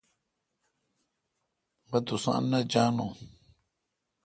مہ تس نہ جانو۔